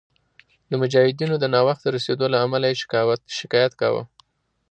د مجاهدینو د ناوخته رسېدلو له امله یې شکایت کاوه.